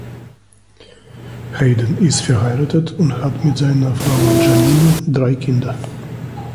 Hayden ist verheiratet und hat mit seiner Frau Jeanine drei Kinder.